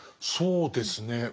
そうですね。